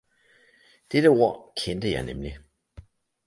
Dette ord kendte jeg nemlig.